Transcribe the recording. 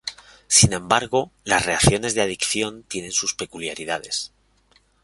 Sin embargo, las reacciones de adición tienen sus peculiaridades.